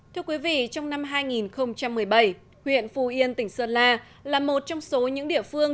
thưa quý vị trong năm hai nghìn một mươi bảy huyện phù yên tỉnh sơn la là một trong số những địa phương